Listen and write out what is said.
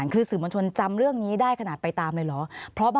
ขอบคุณครับ